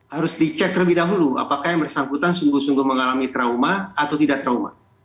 harus dicek terlebih dahulu apakah yang bersangkutan sungguh sungguh mengalami trauma atau tidak trauma